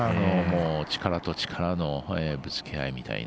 力と力のぶつけ合いみたいな。